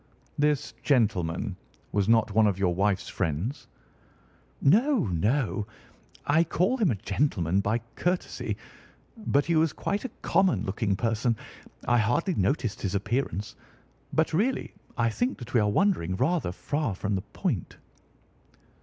"This gentleman was not one of your wife's friends?" "No, no; I call him a gentleman by courtesy, but he was quite a common looking person. I hardly noticed his appearance. But really I think that we are wandering rather far from the point."